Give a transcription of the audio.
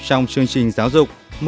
trong chương trình giáo dục